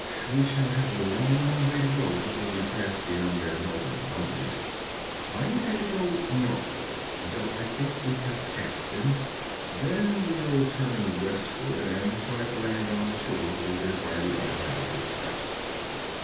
We still have a long way to go before we pass beyond their northern boundaries. I intend to go northward until I think we have passed them. Then we'll turn westward, and try to land on the shore bordered by the uninhabited steppes.'